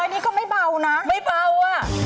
อันนี้ก็ไม่เบานะไม่เบาอ่ะ